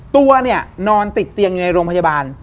ตัวนอนติดเตียงในโรงพยาบาล